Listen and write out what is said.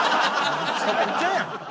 むちゃくちゃやん。